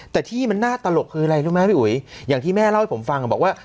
แต่ที่มันน่าตลกคืออะไรรู้ไหมพี่อุ๋ยอย่างที่แม่เล่าให้ผมฟังบอกว่า